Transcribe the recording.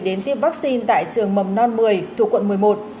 đến tiêm vaccine tại trường mầm non một mươi thuộc quận một mươi một